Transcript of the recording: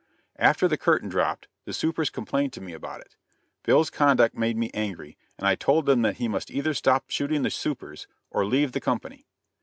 After the curtain dropped, the "supers" complained to me about it. Bill's conduct made me angry, and I told him that he must either stop shooting the "supers," or leave the company.